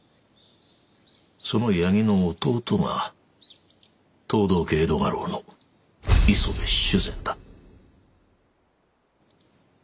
その八木の弟が藤堂家江戸家老の磯部主膳だ。